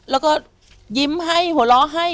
แล้วก็ยิ้มให้หัวเราะให้